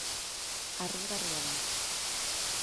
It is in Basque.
Harrigarria da.